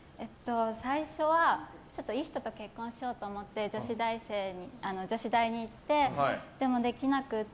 最初はいい人と結婚しようと思って女子大に行って、でもできなくて。